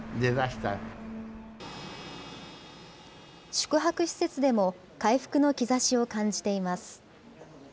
宿泊施設でも、回復の兆しを感じています。